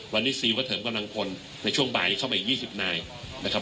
วันนี้วันเติมกำลังพลในช่วงบ่ายเข้ามาอีกยี่สิบนายนะครับ